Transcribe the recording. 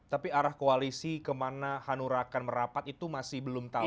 tapi arah koalisi kemana hanura akan merapat itu masih belum tahu